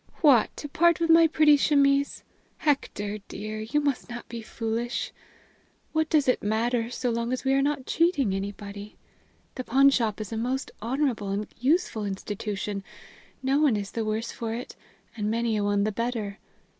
"What! to part with my pretty chemise. Hector, dear, you must not be foolish! What does it matter, so long as we are not cheating anybody? The pawnshop is a most honorable and useful institution. No one is the worse for it, and many a one the better.